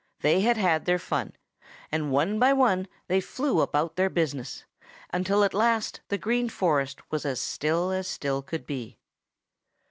They had had their fun, and one by one they flew about their business until at last the Green Forest was as still as still could be.